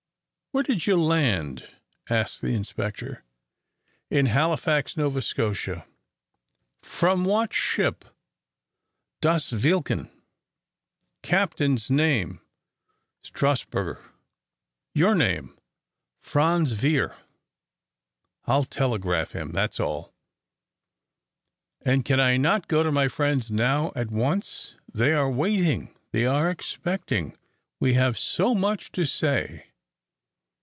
"Where did you land?" asked the inspector. "In Halifax, Nova Scotia." "From what ship?" "Das Veilchen." "Captain's name?" "Strassburger." "Your name?" "Franz Veier." "I'll telegraph him. That's all." "And can I not go to my friends now at once? They are waiting, they are expecting. We have so much to say."